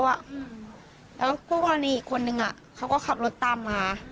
แล้วพวกอันนี้อีกคนหนึ่งเขาก็ขับรถตามมา